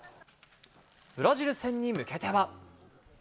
ブラジル戦に向けては。